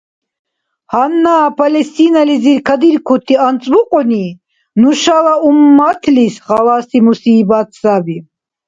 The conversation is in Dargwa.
Гьанна Палестинализир кадиркути анцӀбукьуни нушала умматлис халаси мусибат саби.